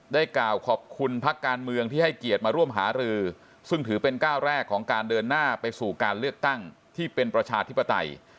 กล่าวขอบคุณพักการเมืองที่ให้เกียรติมาร่วมหารือซึ่งถือเป็นก้าวแรกของการเดินหน้าไปสู่การเลือกตั้งที่เป็นประชาธิปไตย